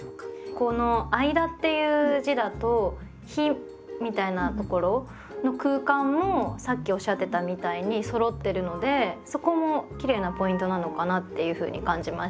この「間」っていう字だと「日」みたいなところの空間もさっきおっしゃってたみたいにそろってるのでそこもきれいなポイントなのかなっていうふうに感じました。